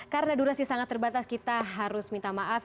karena durasi sangat terbatas kita harus minta maaf